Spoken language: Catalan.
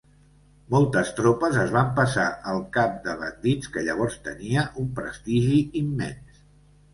Moltes tropes es van passar al cap de bandits que llavors tenia un prestigi immens.